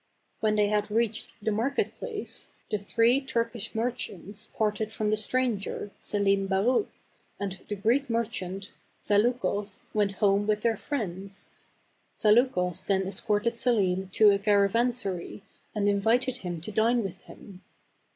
When they had reached the market place, the three Turkish merchants parted from the stranger, Selim Baruch, and the Greek merchant, Zaleukos, and went home with their friends. Zaleukos then escorted Selim to a caravansary and invited him to dine with him.